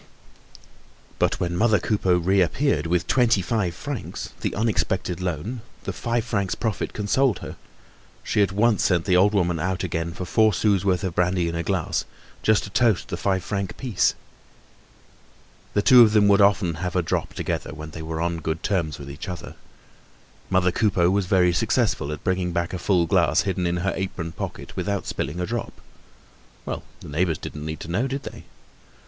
But when mother Coupeau reappeared with twenty five francs, the unexpected loan, the five francs profit consoled her; she at once sent the old woman out again for four sous' worth of brandy in a glass, just to toast the five franc piece. The two of them would often have a drop together, when they were on good terms with each other. Mother Coupeau was very successful at bringing back a full glass hidden in her apron pocket without spilling a drop. Well, the neighbors didn't need to know, did they.